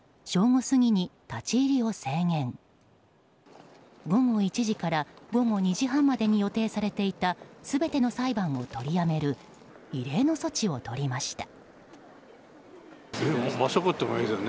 午後１時から午後２時半までに予定されていた全ての裁判を取りやめる異例の措置をとりました。